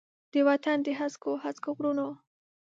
د وطن د هسکو، هسکو غرونو،